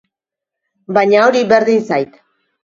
Baina hori berdin zait.